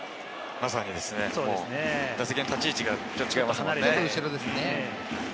まさにですね、もう打席の立ち位置がちょっと違いますもんね。